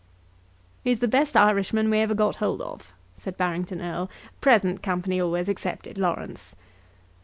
"He's the best Irishman we ever got hold of," said Barrington Erle "present company always excepted, Laurence."